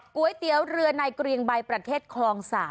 ก๋วยเตี๋ยวเรือในเกรียงใบประเทศคลอง๓